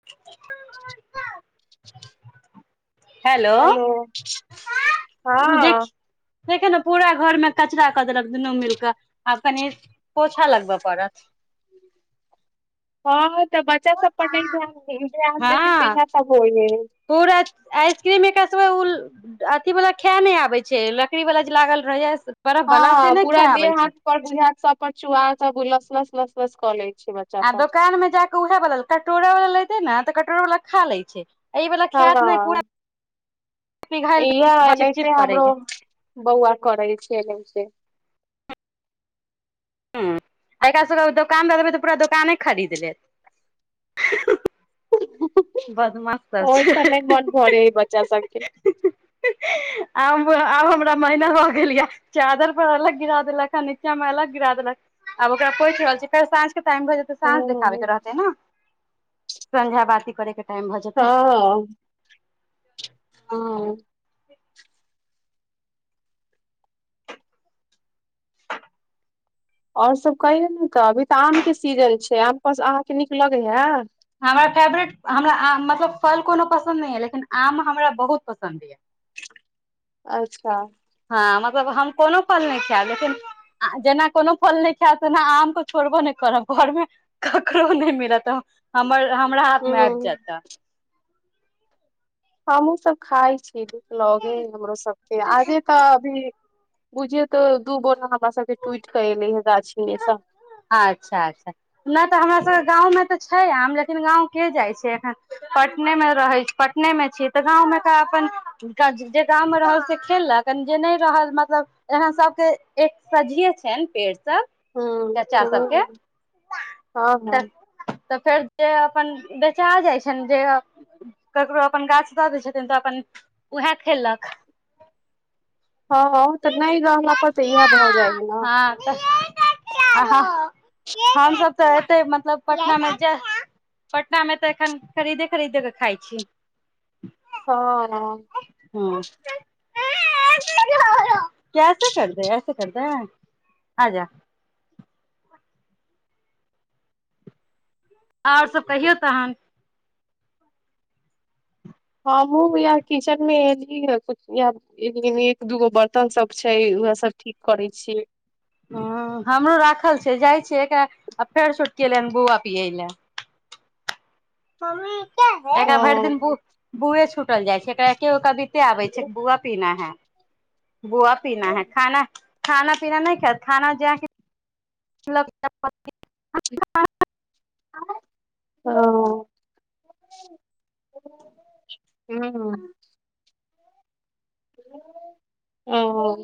ओ [unintelligible] [unintelligible] hello हँ देखी देखेयो ने पूरा घर में कचरा कऽ देलक दुनू मिल कऽ आब कनी पोछा लगब पड़त हाँ त बच्चा सब पर नहि धान ध्यान देबी त हँ इएह सब होइ है पूरा आइसक्रीम एक क सब उ अथी वाला खै नय आबे छै लकड़ी वाला जे लागल रहैय बर्फ वाला से हँ नय पूरा खाय देह आबै हाथ छै सब चुआ सब लस लस लसलस क लै छै आ सब दोकानं मे जा क उएह बला कटोरा वाला लैते ने त कटोरा वाला खा ले छै एहि वाला हँ खायत नहि पूरा पिघाइल इह चिपचिप एनाहिते हमरो करैया बौआ करै छै एना से हाँ आ एकरा सब के दोकान द देबै तऽ पूरा दोकाने खरीद लेत बदमाश सब ओहिसँ नहि छै मन भरे है बच्चा सबके आब आब हमरा महीना भ गेल या चादर पर अलग गिरा देलक हा नीच्चाँ में अलग गिरा देलक ह आब ओकरा पोछि रहल छी फेर साँझ के टाइम भऽ जेतै साँझ देखाबै हँ के रहतै ने संझ्या बातीकरै के टाइम भऽ जेतै हँ हँ आओर सब कहैय ने त अभी त आम के सीजन छै आम पर अहाँके नीक लगैया हमरा फेवरेट हमरा आ मतलब फल कोनो पसन्द नय य लेकिन आम हमरा बहुत पसन्द ये अच्छा हँ मतलब हम कोनो फल नय खायब लेकिन आ जेना कोनो फल नहि खायब तेना आम को छोड़बो नहि करब घरमे ककरो नय मिलत हमर हमरा हाथ मे आबि हूँ जायत त हमहुँ सब खाइ छी नीक लगे जायत हम हमरो सबके आजे त अच्छा अभी बुझियौ त दू बोरा हमरा सबके टुइट क‌‍ एले हे गाछीमे सँ अच्छा अच्छा न त हमरा सबके गाँवमे तऽ छै आम लेकिन गाँंव के जाइ छै एखन पटने मे रहै छी पटने मे छी त गाँव मे त अपन हुनका जे गाममे रहल से खेलक जे नहि रहल मतलब यहाँ सबके एक सझिये छैन पेड़ सब हूँ चच्चा सब के हूँ हँ हँ त फेर जे अपन बेचा जाइ छैन जे ककरो अपन गाछ द दै छथिन त अपन ओहे खेलक हँ हँ त नहि रहला पर त इहे भ जाय है ना हँ त हमसब त एतै मतलब पटना मे जा पटना मे त एखन खरीदे खरीदे क खाइ छी हँ हँ हँ कैसे कर देे ऐसे करदें आजा आउर सब कहियौ तहन हँमहुं येह किचन मे एली है कछु या एक दूगो बर्तन सब छै उहे सब ठीक करे छियै ह हमरो राखल छै जाइ छियै एकरा फेर छोटकी एलै हन बौआ बियाल एकरा भरि दिन हँ बुऐ छूटल जाइ छै एकरा एके गो कबिते आबै छै बुआ पीना है बुआ पीना है खाना खाना पीना नहि खायत खाना जेके ओ हँ ओँ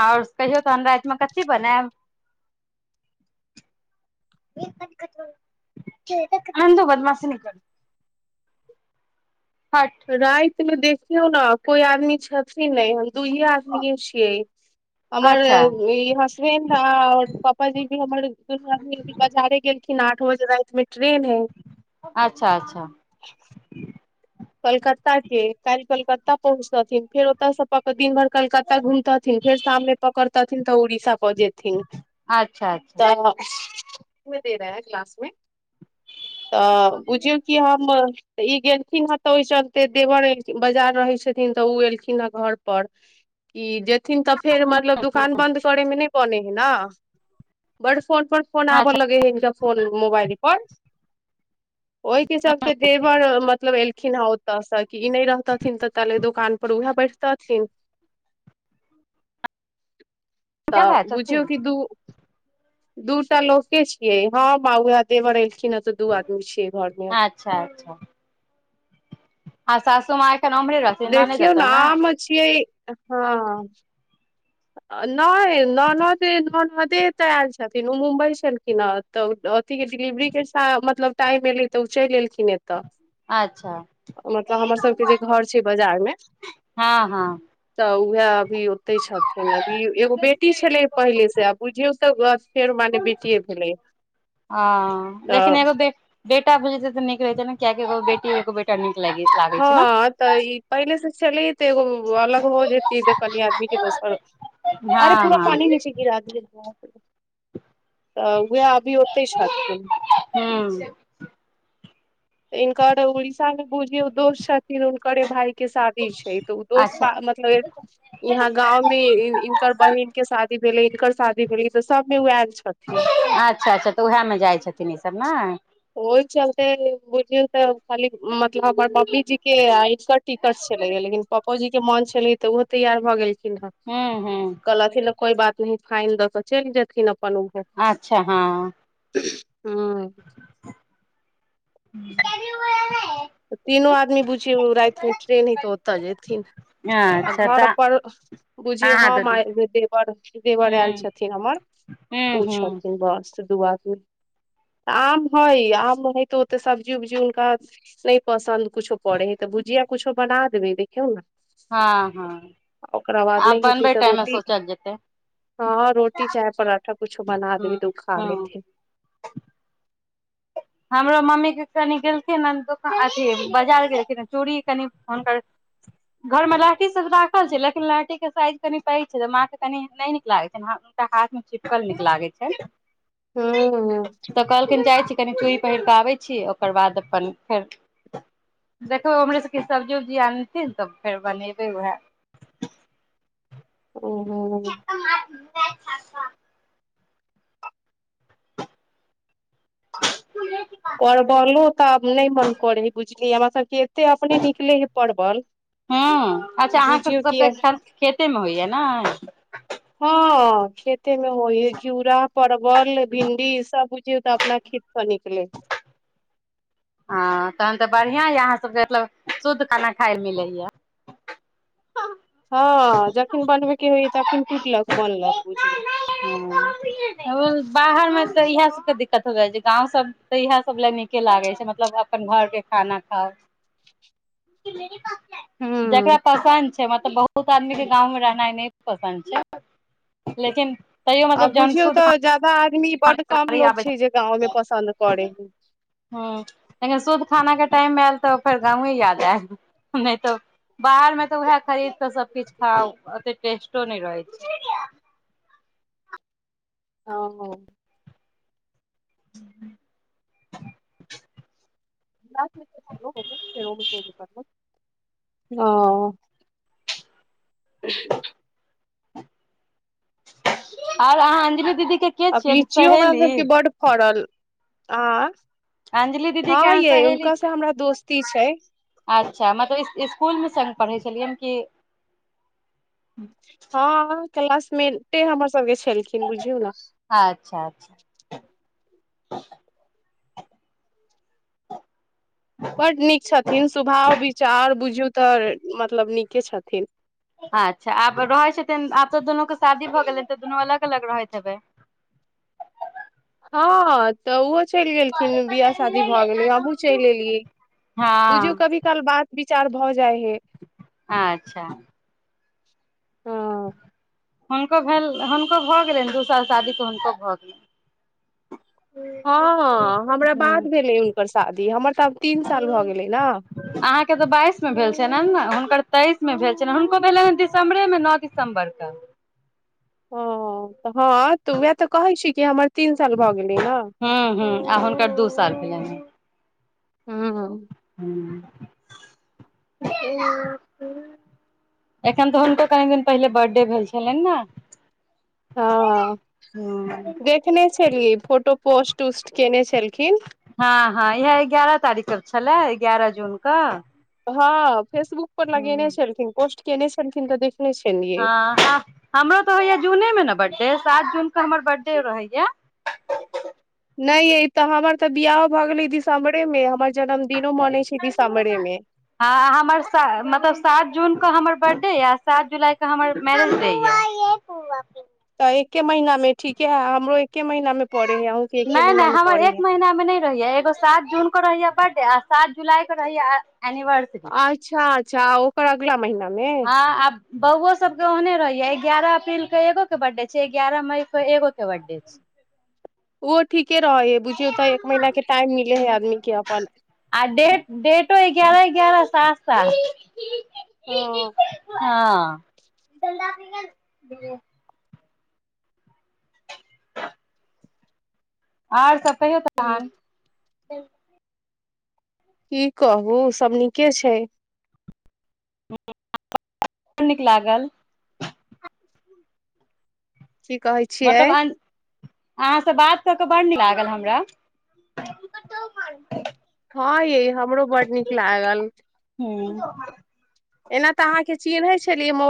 आउर कहियो तहन राइत मे कथी बनेब [unintelligible] अम तु बादमासी नय कर रैत मे देखियौ न कोई आदमी छथिन नै हम दुइये आद छिय हमर अच्छा ई ट्रेन ह और पापाजी भी हमर दुनु आदमी बजारे गेलखिन आठ बजे रैत मे ट्रेन है अच्छा अच्छा कलकत्ता के काल्हि कलकत्ता पहुँचतथिन फेर ओतयसँ प कऽ दिन भरि कलकत्ता घुमतथिन फेर शाममे पकड़तथिन तऽ उड़ीसा ख जेथिन अच्छा अच्छा सैह कते देर है क्लास मे तऽ बुझियौ के हम ई गेलखिन हँ तऽ ओहि चलते देवर एगो बाजार रहै छथिन तऽ ओ एलखिन हे घर पर ई जेथिन तऽ फेर मतलब दु दोकान बंन्द करे मे नई बने है ने बड़ फोन पर फोन आबऽ अच्छा लगे है फोन मोबाईल पर ओहिके चलते देबरमतलव एल खिन है ओतयसँ कि ई नहि रहतथिन तऽ ताले दोकान पर उएह बैठतथिन [inaudible] हुनका तऽ भाय बुझियौ छथिन कि दू दूटा लोके छियै हम उहे देवर एलखिन हँ तऽ दू आदमी छियै घर मे अच्छा अच्छा आ सासु माँ एखन ओम्हरे रहथिन ननैद देखियौ ने ओतऽ नऽ आम छियै हँ नई ननदे एतऽ आयल छथिन ओ मुम्बई छलखिन हँ तऽ अथि के डिलिवरी के सा मतलब टाइम एलै तऽ ओ चलि एलखिन एतऽ अच्छा मतलब हमर सबके जे घर छै बाजार मे हँ हँ तऽ उएह अभी ओते छथिन अभी एगो बेटी छलै पहिले से आ बुझियौ तऽ फेर मने बेटिये भेलै अऽ लेकिन तऽ एगो के बेटा बुझत तऽ नीक रहै ने किया कि [unintelligible] क नीक [unintelligible] हँ तऽ ई पहिले से छले ते एगो अलग हो जेत त कनी आदमी [unintelligible] अरे हँ पूरा हँ पानि मे चैल गेल हैत तऽ उएह अभी ओतहि छथिन हूँ हिनकर उड़ीसा मे बुझियौ दोस्त छथिन हुनकरे भाय के साथ ई छै तऽ ओ दोस अच्छा मतलब जे ईहा गाँंव मे इनकर बहिन के शादी भेलै इनकर शादी भेलै तऽ सबमे उ आएल छथिन अच्छा अच्छा तऽ उएहमे जाइ छथिन ईसभ ने ओहि चलते बुझियौ तऽ खाली मतलब हमर मम्मी जी के आइ टिकट छले हा लेकिन पपो जी के मोन छलै तऽ उहो तैयार भऽ गेलखिन हे हू हू कहलथिन कोनो बात न फाइन दकऽ चलि जेथिन अपन उऊहे अच्छा हँ हँ [unintelligible] तीनो आदमी बुझियौ रातिमे ट्रेन हे तऽ ओतय जेयथिन आ अच्छा घर तऽ पर बुझियौ अहाँ हम आ दुनू देवर - देवर आयल हूँ छथिन हमर हूं ऊ हूं छथिन बस आम हय आम हय तऽ ओते सब्जी उब्जी हुनका। नहि पसन्द कुछो पड़े है, तऽ भुजिया कुछो बना देबै देखियौ ने। हँ, हँ। ओकरा बाद आब नहि हेतै बनबै त टाइम मे रोटी सोचल जेतै हँ, रोटी चाय परठा कुछो बना हूं देबी तऽ ओ खा हूं लेते हमरो मम्मीके कनि गेलखिन दान अथ बाजार गेलखिन चूड़ी कनि हुनकर। घरमे लहठी सभ तऽ राखल छै, लेकिन लहठी के साइज कनि पैघ छै तऽ माँ के कनी नहि नीक लागैत छै। टा हाथमें चिपकल नीक लागै छै। हूँ। तऽ कहलखिन जाइ छी, कनि चूरी पहिर कऽ आबै छी, ओकर बाद अपन फेर। देखो हमरे सभके सब्जी उब्जी आनथिन ने तऽ फेर बनेबै उएह ओहो। [unintelligible] ख परबलो तऽ नहि मन करै हइ बुझलिय हमरा सभके एते ह, अपने निकले हे परवल कि अच्छा अहाँकेँ बुझियौ सभ किया ख खेतेमे होइय ने? हँ। हैं, खेतेमे हो ह घिउड़ा परवल भिंडी सभ बुझयो तऽ अपना खेत पर निकले। हँ, तहन तऽ बढ़िया यऽ अहाँ सभके मतलब शुद्ध खाना खाय ल मिलैया हँ। हँ, जखन बनबेके होइय तखन टूटलक बनलक बुझलो बाहरमे तऽ इएह सभके दिक्कत हो जाई छै ईसबगाव सभ तऽ इह सभ लए नीके लागे छै। मतलब अपन घरके खाना खाउ। जेकरा हम्म पसन्द छै, मतलब बहुत आदमी के गावमे रहनाइ ने। पसन्द छै, लेकिन। तैयो आ मतलब जहन बुझियौ शुद्ध तऽ ज्यादा आदमी बड कम खाना लोग आबै छै, जे गावमे पसन्द करे। हैं, लेकिन शुद्ध खानाके टाइम आयल तऽ ओकर गावे याद आयल नहि तऽ। बाहरमे तऽ उएह खरीद कऽ सभकुछ खाउ ओते टेस्टो नहि रहैत छै। हैं। [unintelligible] [unintelligible] हो कर हा ओर अहाँ अंजली दीदीके आब लीचियो हमरा सभके बड्ड फड़ल आ। अंजलि दीदी के हँ, अहाँ यै सहेली हुनका छी से हमरा दोस्ती छै। अच्छा, मतलब इ स्कूलमे सङ्ग पढ़ै छलियैन कि? हँ, क्लासमेटे हमर सभके छलखिन बुझियौ ने अच्छा, अच्छा। बड़ नीक छथिन, स्वभाव विचार बुझौ। तऽ मतलब नीके छथिन। अच्छा, आब रहैत छथिन, आब तऽ दुनूके शादी भऽ गेलै तऽ दुनू अलग अलग रहैत हेबै। हँ। तऽ उहो चैल गेलखिन बियाह शादी भए गेलै, हमहुँ चैल एलियै बुझू हँ कभी। सऽ बात विचार भऽ जाइ है। अच्छा। हँ हुनको भेल हुनको भऽ गेलन दू साल शादी तऽ हुनको भऽ गेलनि हँ, ह हमरा बाद हूँ भेलै हुनकर शादी हमर तऽ आब तीन साल भऽ गेलै ने। अहाँकेँ तऽ बाइस मे भेल छल ने हुनकर तेइसमे भेल छनि हुनको भेलनि दिसम्बरे मे नओ द। देवेम्बेर कऽ ओ त हँ त उएह त कहै छी कि हमर तीन साल भ गेलै ने हूँ हूँ आ हुनकर दू साल भेलैन हँ हँ ह एखन त हुनको कनी दिन पहिले बर्थडे भेल छेलैन न हँ ने देखने छलिए फोटो पोस्ट उस्ट केने छलखिन हँ हँ इह एगारह तारीख के छलए एगारह जूनके हँ फेसबुक पर लगेने छलखिन पोस्ट केने छलखिन त देख ह हमरो तऽ होइया जूने मे ने बड्डे सात जून के हमर बड्डे रहैया नय यइ त हमर त बियाहो भ गेलै दिसम्बरे मे हमर जन्मदिनो मनै छै दीस्म्बेरे मे हँ हमर से मतलब सात जून के हमर बर्थडे य सात जुलाई के हमर मैरेज डे य अ एके महीना मे ठीके है हमरो एके महीना मे पड़े है अँ नय नय हमर एक महिना में ने रहैया एगो सात जून के रहैया बर्थडे आ सात जुलाई के रहैया ए एनिवर्सरी अच्छा अच्छा कर अगला महिना में हाँ आब बौउऔ सब के ओहने रहैय ग्यारह अप्रैल के एगो के बर्थडे छै ग्यारह मई के एगो के बर्थडे छै ओहो ठीके रहे है बुझियौ त एक महीना के टाइम मिले है आदमी के अपन आ डटो ग्यारह ग्यारह साथ साथ हँ हाँ और सब कहिओ तहन की की कहू सब नीके छै नीक लागल की कहै छी मतलब अन अहाँ सँ बात क‌ क बड़ नीक लागल हमरा हाँ ये हमरो बड्ड नीक लागल हाँ एना त अहाँ के चिन्है छलियै म